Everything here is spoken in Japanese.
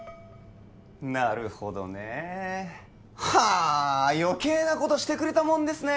なるほどねえはあ余計なことしてくれたもんですね